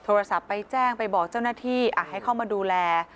โทรศัพท์ไปแจ้งไปบอกเจ้าหน้าที่ให้เข้ามาดูแล